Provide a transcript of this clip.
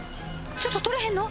ちょっと取れへんの？